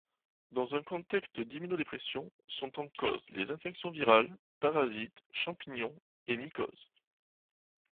Dans un contexte d'immunodépression, sont en cause les infections virales, parasites, champignons et mycoses.